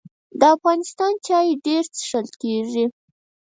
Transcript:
د افغانستان چای ډیر څښل کیږي